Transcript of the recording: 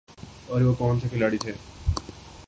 اور وہ کون سے کھلاڑی تھے ۔